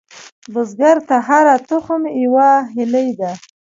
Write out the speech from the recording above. بزګر ته هره تخم یوه هیلې ده